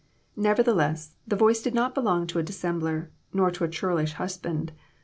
Nev ertheless, the voice did not belong to a dissembler nor to a churlish husband.